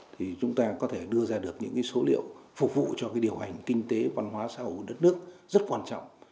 thì chúng ta có thể đưa ra được những số liệu phục vụ cho điều hành kinh tế văn hóa xã hội của đất nước rất quan trọng